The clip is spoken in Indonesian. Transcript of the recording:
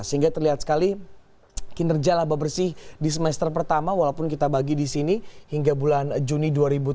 sehingga terlihat sekali kinerja laba bersih di semester pertama walaupun kita bagi di sini hingga bulan juni dua ribu tujuh belas